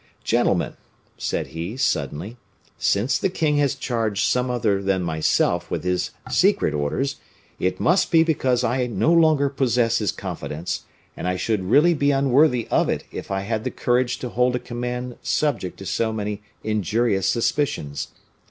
"Gentlemen," said he, suddenly, "since the king has charged some other than myself with his secret orders, it must be because I no longer possess his confidence, and I should really be unworthy of it if I had the courage to hold a command subject to so many injurious suspicions.